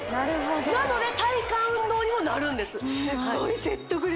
なので体幹運動にもなるんです